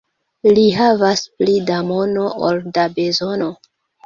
Li havas pli da mono ol da bezono.